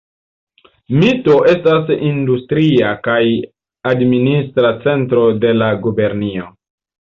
Mito estas industria kaj administra centro de la gubernio.